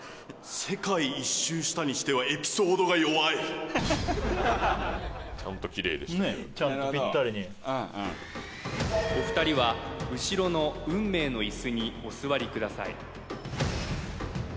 世界一周したにしてはエピソードが弱いちゃんとキレイでしたねねえちゃんとピッタリにお二人は後ろの運命のイスにお座りください